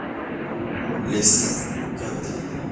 Le Syndicat